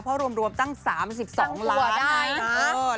เพราะรวมตั้ง๓๒ล้านล้าน